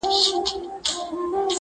صوفي پرېښودې خبري د اورونو؛